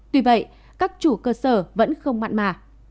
tuy vậy các chủ cơ sở vẫn không mặn mà